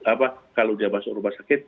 bahkan kalau dia berat kalau dia masuk rumah sakit